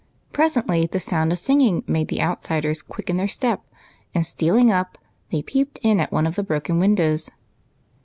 Presently the sound of sing ing made the outsiders quicken their steps, and, stealing up, they peeped in at one of the broken windows.